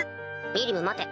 ミリム待て。